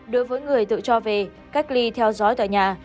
đối với người tự cho về cách ly theo dõi tại nhà